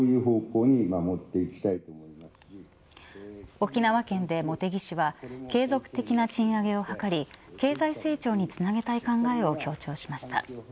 沖縄県で茂木氏は継続的な賃上げを図り経済成長につなげたい考えを強調しました。